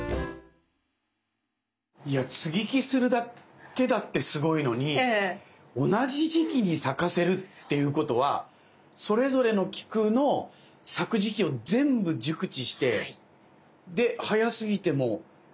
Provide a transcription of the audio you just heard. いや接ぎ木するだけだってすごいのに同じ時期に咲かせるっていうことはそれぞれの菊の咲く時期を全部熟知してで早すぎても接ぎ木の時期がダメだし。